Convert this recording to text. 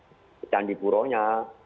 ibu kota candi puronya